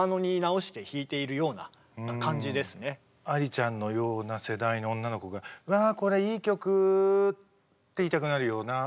だから愛理ちゃんのような世代の女の子が「うわぁこれいい曲」って言いたくなるようなメロディーじゃない？